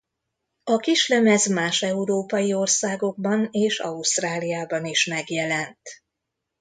A kislemez más európai országokban és Ausztráliában is megjelent.